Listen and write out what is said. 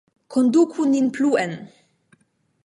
Konduku nin pluen!